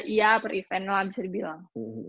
iya per event lah bisa dibilang